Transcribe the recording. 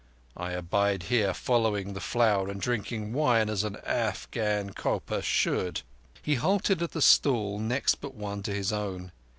I abide here, following the Flower and drinking wine as an Afghan coper should." He halted at the stall next but one to his own.